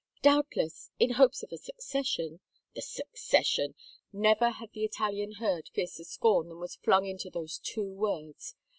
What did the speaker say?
'* Doubtless — in hopes of a succession —"" The succession 1 " Never had the Italian heard fiercer scorn than was flung into those two words.